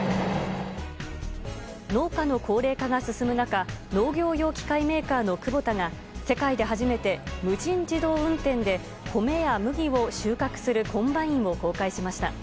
農家の高齢化が進む中農業用機械メーカーのクボタが世界で初めて無人自動運転で米や麦を収穫するコンバインを公開しました。